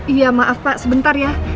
iya maaf pak sebentar ya